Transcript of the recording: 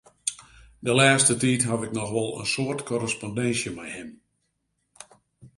De lêste tiid haw ik noch wol in soad korrespondinsje mei him.